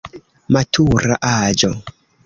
Matura aĝo.